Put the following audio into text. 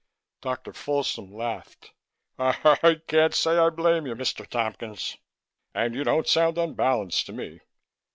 Dr. Folsom laughed. "I can't say that I blame you, Mr. Tompkins. And you don't sound unbalanced to me."